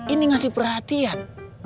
ini ngasih perhatian